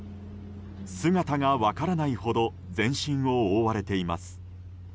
姿が分からないほど全身を覆われています。